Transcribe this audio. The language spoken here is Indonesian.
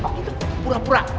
apa itu pura pura